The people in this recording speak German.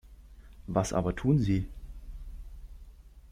Was aber tun Sie?